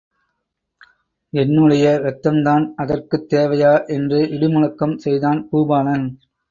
என்னுடைய ரத்தம்தான் அதற்குத் தேவையா என்று? – இடி முழக்கம் செய்தான் பூபாலன்.